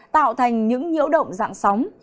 tạo thành những nhiễu động dạng sóng